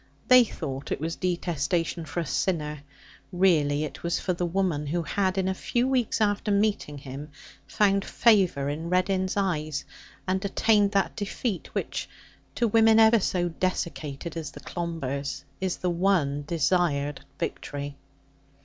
They thought it was detestation for a sinner. Really, it was for the woman who had, in a few weeks after meeting him, found favour in Reddin's eyes, and attained that defeat which, to women even so desiccated as the Clombers, is the one desired victory.